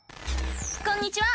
こんにちは！